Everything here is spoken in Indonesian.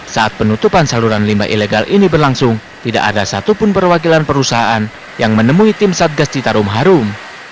saat penutupan saluran limbah ilegal ini berlangsung tidak ada satupun perwakilan perusahaan yang menemui tim satgas citarum harum